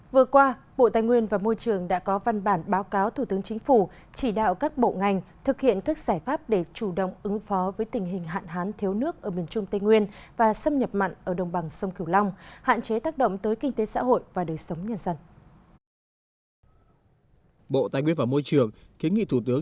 vừa qua bộ tài nguyên và môi trường đã có văn bản báo cáo thủ tướng chính phủ chỉ đạo các bộ ngành thực hiện các giải pháp để chủ động ứng phó với tình hình hạn hán thiếu nước ở miền trung tây nguyên và xâm nhập mặn ở đồng bằng sông kiều long hạn chế tác động tới kinh tế xã hội và đời sống nhân dân